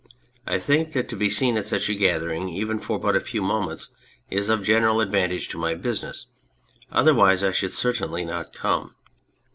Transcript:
I think that to be seen at such a gather ing, even for but a few moments, is of general advantage to my business ; otherwise I should cer tainly not come.